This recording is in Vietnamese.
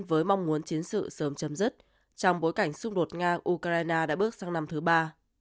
với mong muốn chiến sự sớm chấm dứt trong bối cảnh xung đột nga ukraine đã bước sang năm thứ ba